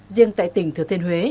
riêng tại tỉnh thừa thiên huế